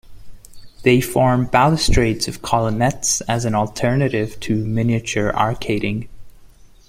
They form balustrades of colonnettes as an alternative to miniature arcading.